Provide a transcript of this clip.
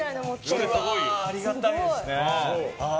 ありがたいですね。